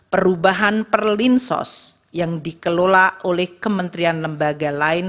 perubahan perlindungan sos yang dikelola oleh kementrian lembaga lain